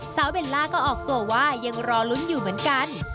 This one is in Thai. เบลล่าก็ออกตัวว่ายังรอลุ้นอยู่เหมือนกัน